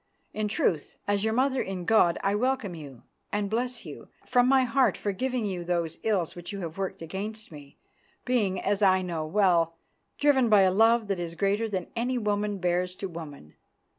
In truth, as your mother in God, I welcome you and bless you, from my heart forgiving you those ills which you have worked against me, being, as I know well, driven by a love that is greater than any woman bears to woman.